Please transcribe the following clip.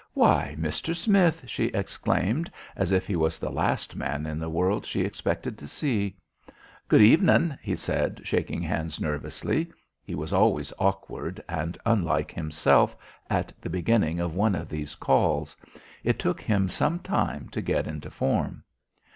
"Why, Mister Smith," she exclaimed, as if he was the last man in the world she expected to see. "Good evenin'," he said, shaking hands nervously. He was always awkward and unlike himself, at the beginning of one of these calls. It took him some time to get into form.